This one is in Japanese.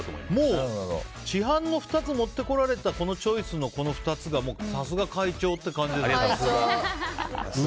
市販の２つ持ってこられたこのチョイスのこの２つがさすが会長って感じです。